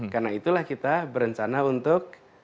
karena itulah kita berencana untuk